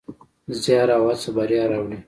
زیار او هڅه بریا راوړي.